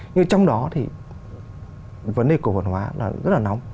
nhưng trong đó thì vấn đề cổ phần hóa là rất là nóng